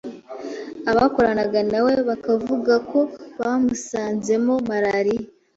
abakoranaga na we bakavuga ko bamusanzemo malaria.